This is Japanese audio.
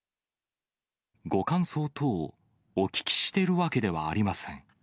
ご感想等お聞きしているわけではありません。